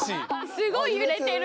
スゴい揺れてる。